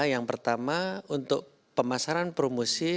yang pertama untuk pemasaran promosi